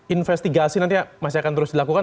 investigasi nanti masih akan terus dilakukan